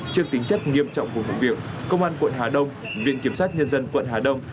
trước tính chất nghiêm trọng của vụ việc công an quận hà đông viện kiểm sát nhân dân quận hà đông